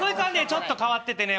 ちょっと変わっててね